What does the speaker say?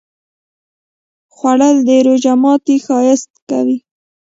خوړل د روژه ماتی ښایسته کوي